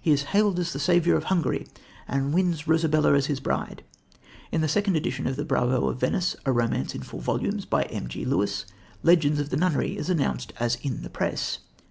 He is hailed as the saviour of Hungary, and wins Rosabella as his bride. In the second edition of The Bravo of Venice, a romance in four volumes by M. G. Lewis, Legends of the Nunnery, is announced as in the press.